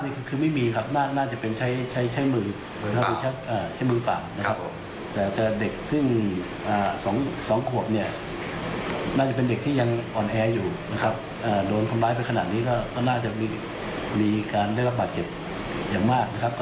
นี้คือคำสารภาพของนายสมเจชบุรโตอายุ๒๘